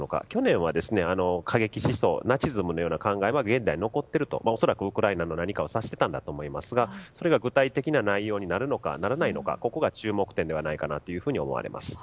去年は過激思想、ナチズムのような考えが残っていると恐らく、ウクライナの何かを指していたんだと思いますがそれが具体的な内容になるのかが注目点かと思われます。